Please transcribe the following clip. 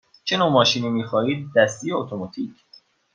چه نوع ماشینی می خواهید – دستی یا اتوماتیک؟